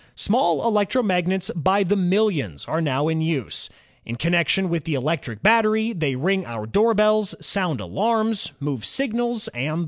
Small electromagnets by the millions are now in use. In connection with the electric battery, they ring our doorbells, soimd alarms, move signals, and the like.